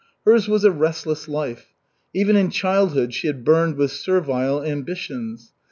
Hers was a restless life. Even in childhood she had burned with servile ambitions.